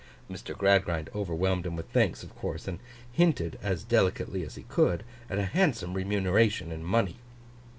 Mr. Gradgrind overwhelmed him with thanks, of course; and hinted as delicately as he could, at a handsome remuneration in money.